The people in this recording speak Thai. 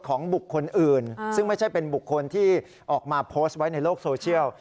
ของบุคคลอื่นซึ่งไม่ใช่เป็นบุคคลที่ออกมาโพสต์ไว้ในโลกโซเชียล